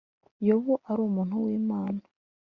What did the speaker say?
yobu ari umuntu w’ imana